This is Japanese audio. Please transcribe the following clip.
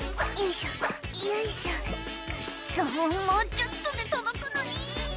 もうちょっとで届くのに」